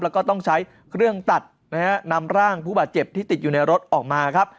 แล้วก็ต้องใช้เครื่องตัดนะฮะนำร่างผู้บาดเจ็บที่ติดอยู่ในรถออกมาครับ